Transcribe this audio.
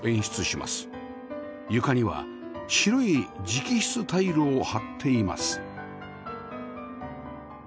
床には白い磁器質タイルを張っています